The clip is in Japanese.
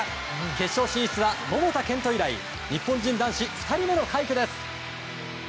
決勝進出は桃田賢斗以来日本人男子２人目の快挙です。